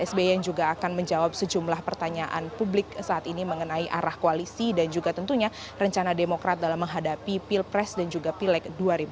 sby yang juga akan menjawab sejumlah pertanyaan publik saat ini mengenai arah koalisi dan juga tentunya rencana demokrat dalam menghadapi pilpres dan juga pileg dua ribu sembilan belas